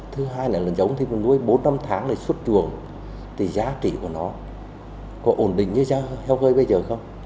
thứ hai là giống thì còn nuôi bốn năm tháng rồi xuất trường thì giá trị của nó có ổn định như heo gây bây giờ không